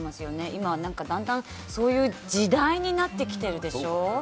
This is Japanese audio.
今は何かだんだんそういう時代になってきてるでしょ。